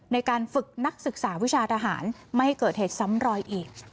ในการฝึกนักศึกษาวิชาทหารไม่ให้เกิดเหตุซ้ำรอยอีก